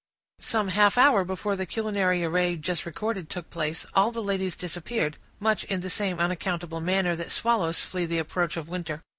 Some half hour before the culinary array just recorded took place, all the ladies disappeared, much in the same unaccountable manner that swallows flee the approach of winter.